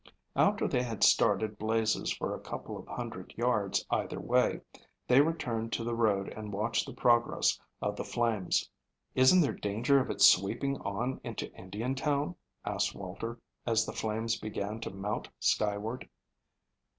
After they had started blazes for a couple of hundred yards either way, they returned to the road and watched the progress of the flames. "Isn't there danger of its sweeping on into Indiantown?" asked Walter, as the flames began to mount skyward.